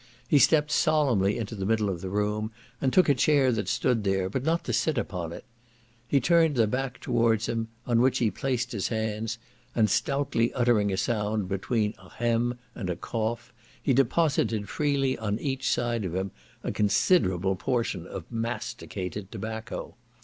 He stepped solemnly into the middle of the room, and took a chair that stood there, but not to sit upon it; he turned the back towards him, on which he placed his hands, and stoutly uttering a sound between a hem and a cough, he deposited freely on either side of him a considerable portion of masticated tobacco.